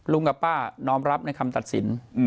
กับป้าน้อมรับในคำตัดสิน